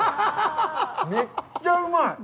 めっちゃうまい！